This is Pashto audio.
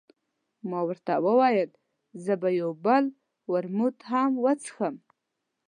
ما ورته وویل، زه به یو بل ورموت هم وڅښم.